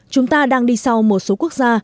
chúng ta đang đi sau một số quốc gia